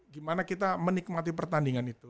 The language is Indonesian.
gimana kita menikmati pertandingan itu